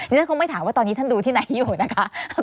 ฉันคงไม่ถามว่าตอนนี้ท่านดูที่ไหนอยู่นะคะ